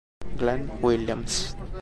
Glenn Williams